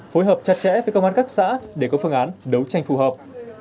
phối hợp chặt chẽ với công an các xã để có phương án đấu tranh phù hợp